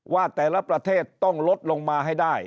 ว่าแต่ละประเทศต้องลดลงมาให้ได้